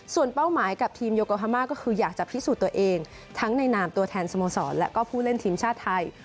ส่วนเป้าหมายกับทีมโยโกฮามาก็คืออยากจะพิสูจน์ตัวเองทั้งในนามตัวแทนสโมสรและก็ผู้เล่นทีมชาติไทย